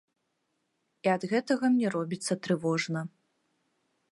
І ад гэтага мне робіцца трывожна.